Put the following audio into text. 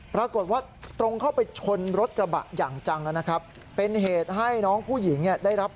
ปรากฏว่าตรงเข้าไปชนรถกระบะอย่างจังนะครับ